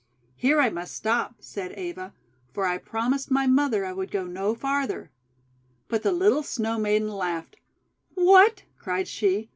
'Here I must stop," said Eva, "for I promised my mother I would go no farther." But the little Snow Maiden laughed. 'What!' cried she.